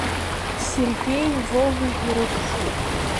Сергеии Вовеи ирыгхеит.